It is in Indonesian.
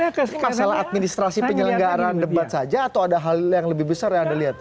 masalah administrasi penyelenggaraan debat saja atau ada hal yang lebih besar yang anda lihat